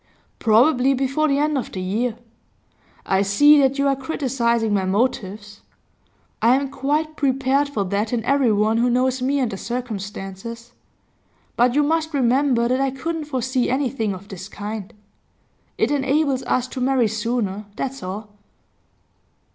'Probably before the end of the year. I see that you are criticising my motives. I am quite prepared for that in everyone who knows me and the circumstances. But you must remember that I couldn't foresee anything of this kind. It enables us to marry sooner, that's all.